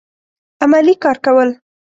عملي کار کول